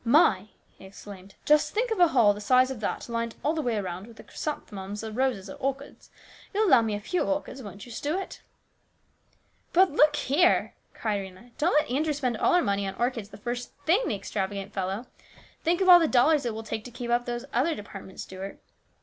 "My!" he exclaimed; "just think of a hall the size of that lined all the way around with chrysanthemums or roses or orchids ! You'll allow me a few orchids, won't you, Stuart ?"" But, look here !" cried Rhena. " Don't let Andrew spend all our money on orchids the first thing, the extravagant fellow ! Think of all the dollars it will take to keep up these other depart ments, Stuart.